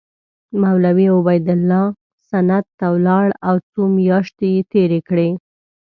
مولوي عبیدالله سند ته ولاړ او څو میاشتې یې تېرې کړې.